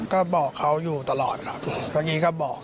ก็บอกเขาอยู่ตลอดครับเมื่อกี้ก็บอก